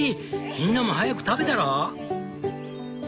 みんなも早く食べたら？」。